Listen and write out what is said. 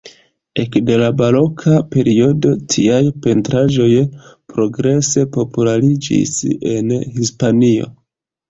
Ekde la baroka periodo, tiaj pentraĵoj progrese populariĝis en Hispanio.